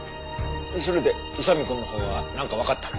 それで宇佐見くんのほうはなんかわかったの？